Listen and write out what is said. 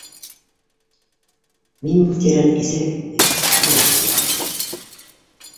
— Мин был тирәне кисә гиҙеп сыҡтым инде